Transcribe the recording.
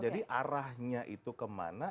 jadi arahnya itu kemana